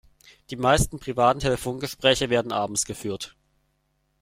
Die meisten privaten Telefongespräche werden abends geführt.